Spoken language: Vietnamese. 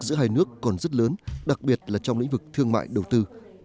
giữa hai nước còn rất lớn đặc biệt là trong lĩnh vực thương mại đầu tư